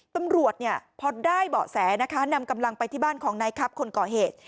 ตำรวจเนี่ยพอได้เบาะแสนะคะนำกำลังไปที่บ้านของนายครับคนก่อเหตุ